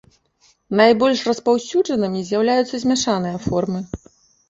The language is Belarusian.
Найбольш распаўсюджанымі з'яўляюцца змяшаныя формы.